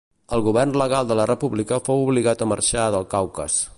El govern legal de la república fou obligat a marxar del Caucas.